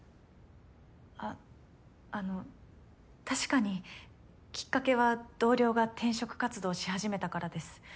あっあの確かにきっかけは同僚が転職活動し始めたからです。